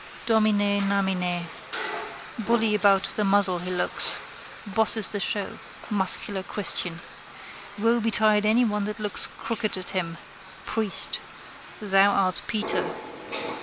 Dominenamine. Bully about the muzzle he looks. Bosses the show. Muscular christian. Woe betide anyone that looks crooked at him: priest. Thou art Peter.